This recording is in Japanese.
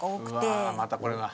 またこれは。